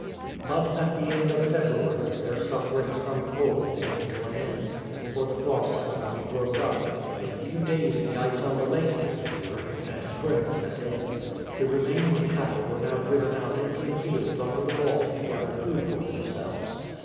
But at the end of February their sufferings from cold came to an end, for the frost suddenly broke up; in a few days the ice on the lake disappeared, and spring set in. The remaining cattle were now driven out into the fields under the walls to gather food for themselves.